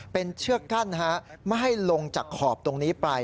เป็นเชือกกั้นไม่ให้ลงจากขอบตรงนี้ไป